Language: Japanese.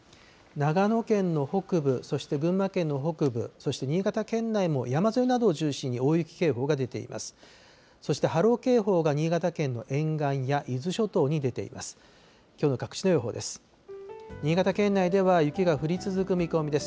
長野県の北部、そして群馬県の北部、そして新潟県内も山沿いなどを中心に大雪警報が出ています。